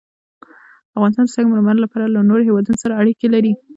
افغانستان د سنگ مرمر له پلوه له نورو هېوادونو سره اړیکې لري.